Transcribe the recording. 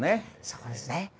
そうですね。